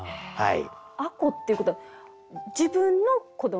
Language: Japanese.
吾子っていうことは自分の子ども？